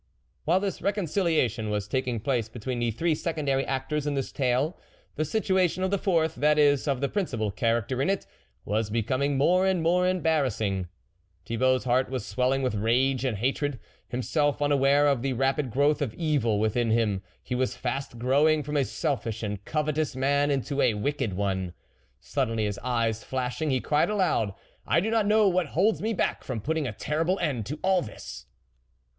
While this reconciliation was taking place between the three secondary actors in this tale, the situation of the fourth, that is of the principal character in it, wasi becoming more and more embarras sing. Thibault's heart was swelling with rage and hatred ; himself unaware of the rapid growth of evil within him, he was fast growing, from a selfish and covetous man, into a wicked one. Suddenly, his eyes flashing, he cried aloud :" I do not THE WOLF LEADER know what holds me back from putting a terrible end to all this